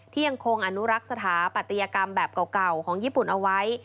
ยังคงอนุรักษ์สถาปัตยกรรมแบบเก่าของญี่ปุ่นเอาไว้